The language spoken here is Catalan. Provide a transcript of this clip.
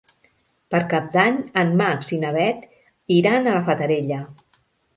Per Cap d'Any en Max i na Bet iran a la Fatarella.